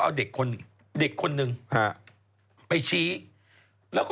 ปลาหมึกแท้เต่าทองอร่อยทั้งชนิดเส้นบดเต็มตัว